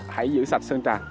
hãy giữ sạch sân trà